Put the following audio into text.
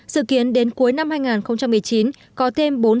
sự kiến đến cuối năm hai nghìn một mươi chín có thêm bốn tỷ đồng